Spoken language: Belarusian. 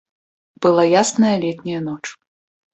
Была ясная летняя ноч.